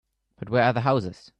But where are the houses?